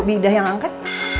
bi udah yang angkat